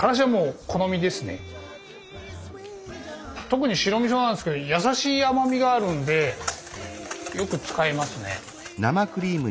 特に白みそなんですけどやさしい甘みがあるんでよく使いますね。